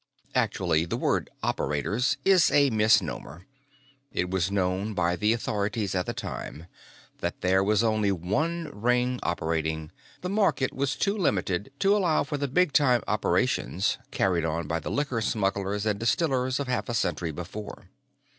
Actually, the word "operators" is a misnomer. It was known by the authorities at the time that there was only one ring operating; the market was too limited to allow for the big time operations carried on by the liquor smugglers and distillers of half a century before.